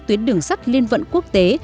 tuyến đường sắt liên vận quốc tế